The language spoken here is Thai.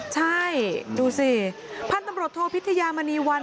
ใช่ดูสิพันธุ์ตำรวจโทพิทยามณีวัน